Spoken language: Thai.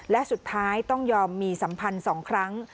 และสุดท้ายต้องยอมมีสัมพันธ์๒ครั้ง